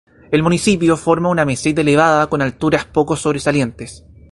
El municipio forma una meseta elevada con alturas poco sobresalientes.